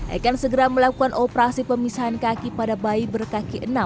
akan segera melakukan operasi pemisahan kaki pada bayi berkaki enam